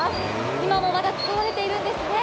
今もまだ使われているんですね。